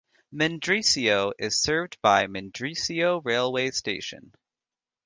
Mendrisio is served by Mendrisio railway station.